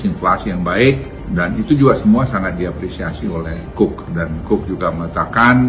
inflasi yang baik dan itu juga semua sangat diapresiasi oleh cook dan cook juga mengatakan